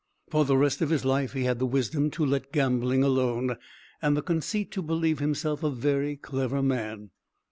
For the rest of his life he had the wisdom to let gambling alone, and the conceit to believe himself a very clever man.